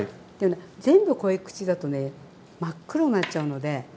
全部こい口だとね真っ黒になっちゃうので。